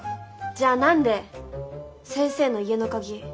じゃあ何で先生の家の鍵